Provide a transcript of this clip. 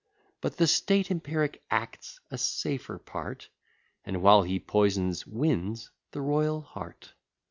But the state empiric acts a safer part; And, while he poisons, wins the royal heart.